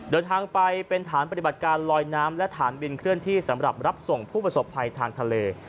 เดินทางไปเป็นฐานปฏิบัติการลอยน้ำและฐานบินเคลื่อนที่สำหรับรับส่งผู้ประสบภัยทางทะเล